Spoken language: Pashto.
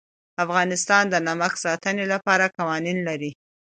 افغانستان د نمک د ساتنې لپاره قوانین لري.